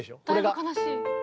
だいぶ悲しい。